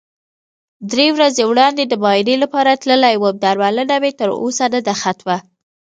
درې ورځې وړاندې د معاینې لپاره تللی وم، درملنه مې تر اوسه نده ختمه.